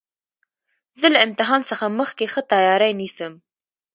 زه له امتحان څخه مخکي ښه تیاری نیسم.